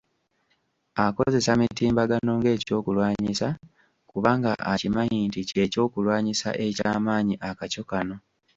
Akozesa mitimbagano ng’ekyokulwanyisa kubanga akimanyi nti kye ky’okulwanyisa ekyamaanyi akaco kano.